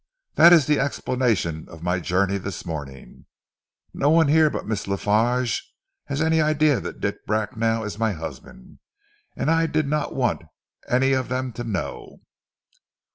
That is the explanation of the journey this morning. No one here but Miss La Farge has any idea that Dick Bracknell is my husband, and I did not want any of them to know."